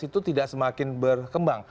itu tidak semakin berkembang